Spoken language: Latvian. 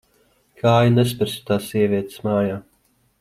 Kāju nespersi tās sievietes mājā.